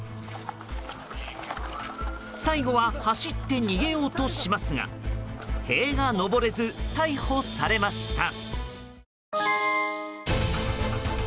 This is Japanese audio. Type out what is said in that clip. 最後は走って逃げようとしますが塀が登れず、逮捕されました。